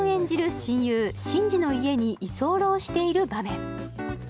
親友伸二の家に居候している場面